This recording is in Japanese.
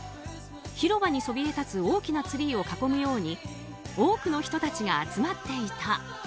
広場にそびえ立つ大きなツリーを囲むように多くの人たちが集まっていた。